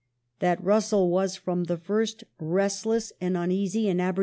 2 That Russell was fe*om the first restless and uneasy in 1 Parker, op.